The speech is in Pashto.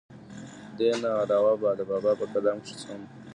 دې نه علاوه د بابا پۀ کلام کښې هم